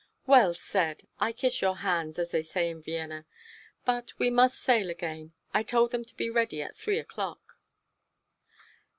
"Well said! I kiss your hands, as they say in Vienna. But we must sail again. I told them to be ready at three o'clock."